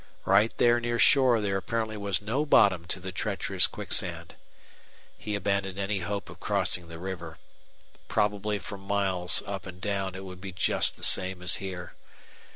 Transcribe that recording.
Right there near shore there apparently was no bottom to the treacherous quicksand. He abandoned any hope of crossing the river. Probably for miles up and down it would be just the same as here.